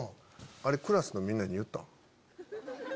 あれクラスのみんなに言った？